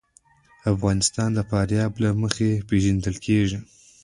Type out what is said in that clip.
افغانستان د فاریاب له مخې پېژندل کېږي.